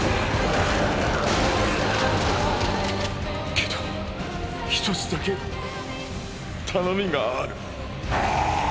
けど一つだけ頼みがある。